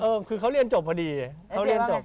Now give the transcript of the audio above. คือเขาเรียนจบพอดีเขาเรียนจบ